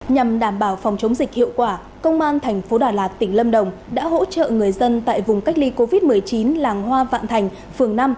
nhằm đảm bảo phòng chống dịch hiệu quả công an thành phố đà lạt tỉnh lâm đồng đã hỗ trợ người dân tại vùng cách ly covid một mươi chín làng hoa vạn thành phường năm